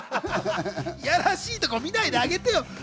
やらしいところ見ないであげて。